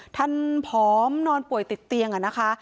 ท่านผอมนอนป่วยติดเตียงนะคะ